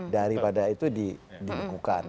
daripada itu diripukan